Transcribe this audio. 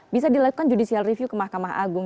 bisa dilakukan judicial review ke mahkamah agung